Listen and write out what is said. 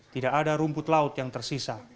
tidak ada rumput laut yang tersisa